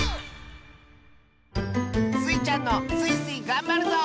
スイちゃんの「スイスイ！がんばるぞ」